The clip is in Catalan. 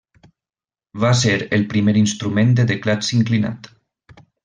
Va ser el primer instrument de teclats inclinat.